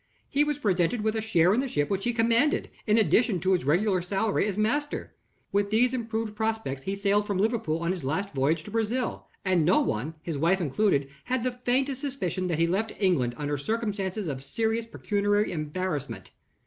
He was presented with a share in the ship which he commanded, in addition to his regular salary as master. With these improved prospects he sailed from Liverpool on his last voyage to Brazil; and no one, his wife included, had the faintest suspicion that he left England under circumstances of serious pecuniary embarrassment.